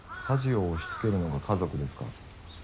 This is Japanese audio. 家事を押しつけるのが家族ですか？